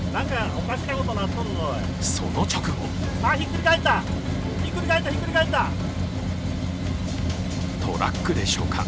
その直後トラックでしょうか